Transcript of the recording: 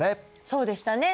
そうでしたね。